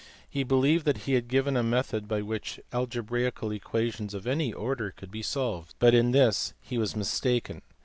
He believed that he had given a method by which algebraical equations of any order could be solved, but in this he was mis taken.